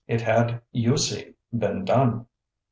It had, you see, been done.